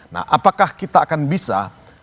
nah apakah kita akan bisa